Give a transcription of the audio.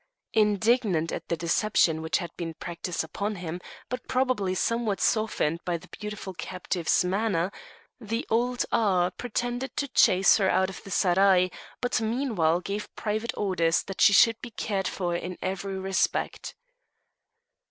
Indignant at the deception which had been practised upon him, but probably somewhat softened by the beautiful captive's manner, the old Aga pretended to chase her out of the seraglio, but meanwhile gave private orders that she should be cared for in every respect.